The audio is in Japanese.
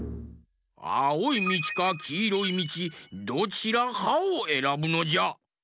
あおいみちかきいろいみちどちらかをえらぶのじゃ。